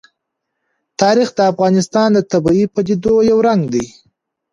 تاریخ د افغانستان د طبیعي پدیدو یو رنګ دی.